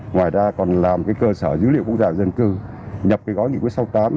ngoài ra còn làm cái cơ sở dữ liệu quốc gia dân cư nhập gói nghị quyết sáu mươi tám